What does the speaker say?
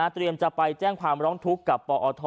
จะไปแจ้งความร้องทุกข์กับปอท